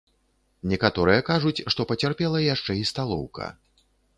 Некаторыя кажуць, што пацярпела яшчэ і сталоўка.